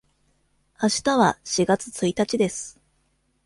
あしたは四月一日です。